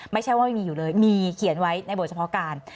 ไม่ใช่ว่าไม่มีอยู่เลยมีเขียนไว้ในบทเฉพาะการ